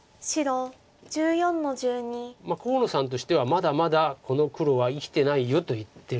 まあ河野さんとしては「まだまだこの黒は生きてないよ」と言ってるわけです。